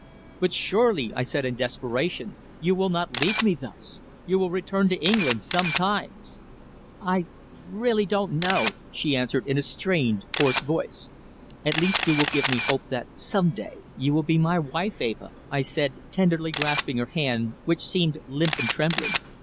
"But surely," I said in desperation, "you will not leave me thus? You will return to England sometimes." "I really don't know," she answered in a strained, hoarse voice. "At least you will give me hope that some day you will be my wife, Eva," I said, tenderly grasping her hand, which seemed limp and trembling.